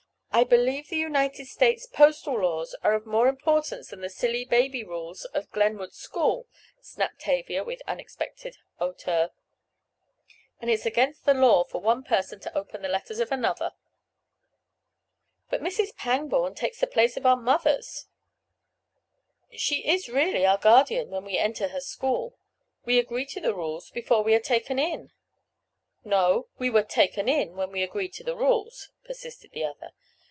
"I believe the United States postal laws are of more importance than the silly, baby rules of Glenwood school," snapped Tavia with unexpected hauteur, "and it's against the law for one person to open the letters of another." "But Mrs. Pangborn takes the place of our mothers—she is really our guardian when we enter her school. We agree to the rules before we are taken in." "No, we were 'taken in' when we agreed to the rules," persisted the other.